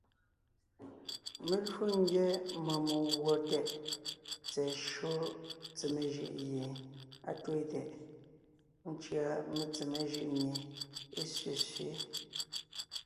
Mé lwo ńgyá mɔɔn meguɔ tɛʼ tsɛ̀ɛ shÿó tsemé jʉʼ gie á twéen tɛʼ, ńcʉa shÿó metsemé jʉʼ mie é sẅesẅě.